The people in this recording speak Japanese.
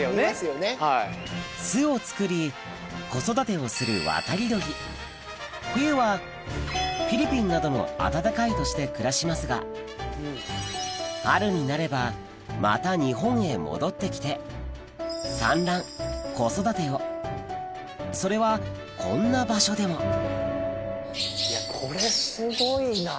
巣を作り子育てをする冬はフィリピンなどの暖かい土地で暮らしますが春になればまた日本へ戻って来て産卵子育てをそれはこんな場所でもいやこれすごいな。